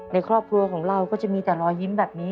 ในครอบครัวของเราก็จะมีแต่รอยยิ้มแบบนี้